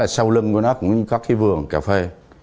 sau lưng của nó cũng có cái vườn cà phê